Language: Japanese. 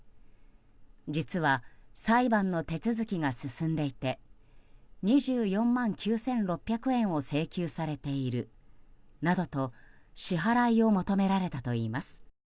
実は裁判の手続きが進んでいて２４万９６００円を請求されているなどと支払いを求められたといいます。